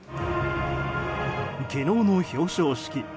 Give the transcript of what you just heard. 昨日の表彰式。